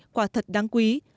quả thật đáng quý